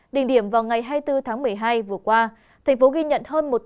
điền điểm vào ngày hai mươi bốn tháng một mươi hai vừa qua thành phố ghi nhận hơn một tám trăm linh f